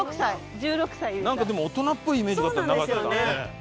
なんかでも大人っぽいイメージがあった長瀬さんね。